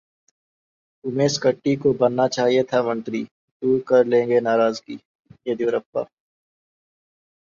उमेश कट्टी को बनना चाहिए था मंत्री, दूर कर लेंगे नाराजगी: येदियुरप्पा